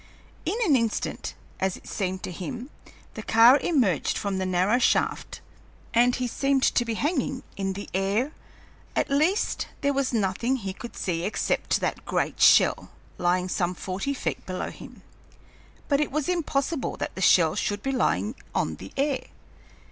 In an instant, as it seemed to him, the car emerged from the narrow shaft, and he seemed to be hanging in the air at least there was nothing he could see except that great shell, lying some forty feet below him. But it was impossible that the shell should be lying on the air!